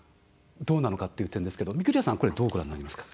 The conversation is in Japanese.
どうなのかっていう点ですけど御厨さん、これどうご覧になりますか。